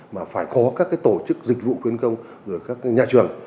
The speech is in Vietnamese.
mà phải có các tổ chức dịch vụ khuyến công rồi các nhà trường